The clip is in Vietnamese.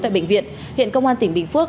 tại bệnh viện hiện công an tỉnh bình phước